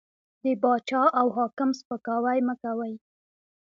د باچا او حاکم سپکاوی مه کوئ!